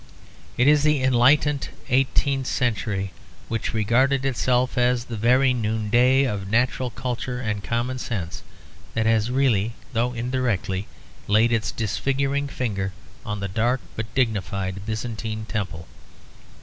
It is the enlightened eighteenth century, which regarded itself as the very noonday of natural culture and common sense, that has really though indirectly laid its disfiguring finger on the dark but dignified Byzantine temple.